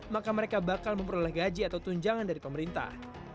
maka mereka bakal memperoleh gaji atau tunjangan dari pemerintah